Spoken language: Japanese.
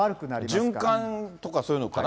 循環とかそういうのかな。